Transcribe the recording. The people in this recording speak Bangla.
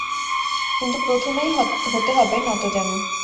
কিন্তু প্রথমেই, হতে হবে নতজানু।